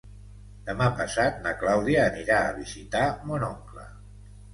Demà passat na Clàudia anirà a visitar mon oncle.